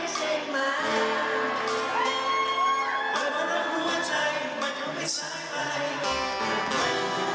ฉันอาจไม่ได้เต็มตัว